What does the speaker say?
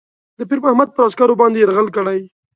د پیرمحمد پر عسکرو باندي یرغل کړی.